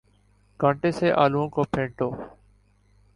کانٹے سے آلووں کو پھینٹو